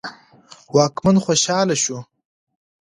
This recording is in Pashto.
واکمن خوشاله شو.